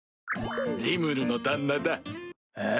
リムルの旦那だ。え？